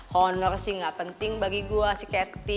honor sih gak penting bagi gue si ketty